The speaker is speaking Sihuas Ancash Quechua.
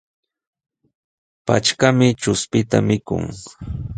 Patrkami chuspita mikun.